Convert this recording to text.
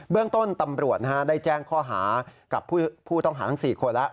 เรื่องต้นตำรวจได้แจ้งข้อหากับผู้ต้องหาทั้ง๔คนแล้ว